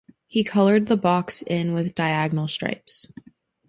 He coloured the box in with diagonal stripes.